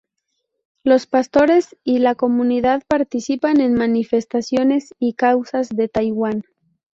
Los pastores y la comunidad participan en manifestaciones y causas de Taiwán.